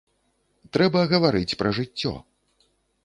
Трэба гаварыць пра жыццё!